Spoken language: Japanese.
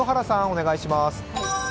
お願いします。